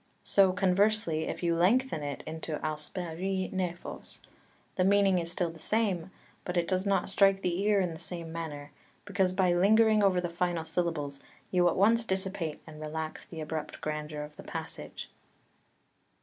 So conversely if you lengthen into ὡσπερεὶ νέφος, the meaning is still the same, but it does not strike the ear in the same manner, because by lingering over the final syllables you at once dissipate and relax the abrupt grandeur of the passage.